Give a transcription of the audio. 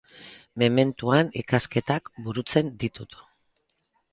Mementuan, ikasketak burutzen ditut.